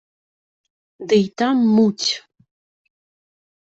Ды й там муць.